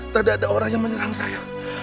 tidak ada orang yang menyerang saya